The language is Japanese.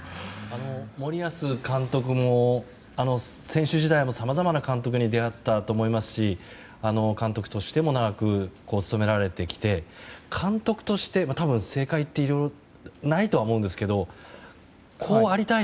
森保監督も選手時代にさまざまな監督に出会ったと思いますし監督としても長く務められてきて監督として正解ってないと思いますがこうありたい